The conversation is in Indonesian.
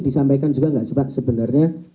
disampaikan juga enggak sempat sebenarnya